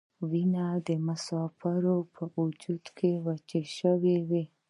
وینه د مسافرو په وجود کې وچه شوې وه.